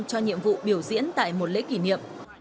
cho nhiệm vụ biểu diễn tại một lễ kỷ niệm